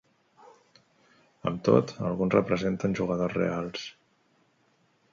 Amb tot, alguns representen jugadors reals.